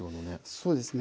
そうですね。